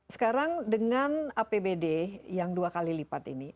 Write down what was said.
sekarang dengan apbd yang dua kali lipat ini